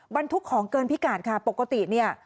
บรรทุกของเกินพิการค่ะปกติเนี่ย